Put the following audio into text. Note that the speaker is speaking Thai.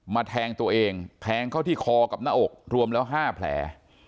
แทงตัวเองแทงเข้าที่คอกับหน้าอกรวมแล้ว๕แผล